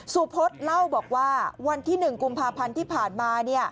สุพศเล่าบอกว่าวันที่๑กุมภาพันธ์ที่ผ่านมา